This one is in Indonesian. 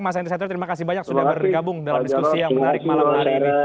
mas henry satrio terima kasih banyak sudah bergabung dalam diskusi yang menarik malam hari ini